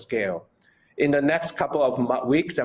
dalam beberapa minggu dan bulan berikutnya kita akan meneruskan